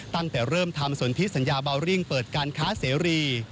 ตั้งแต่เริ่มทำสนทิสัญญาบาวริ่งเปิดการค้าเสรี